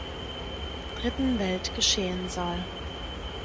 Dritten Welt geschehen soll.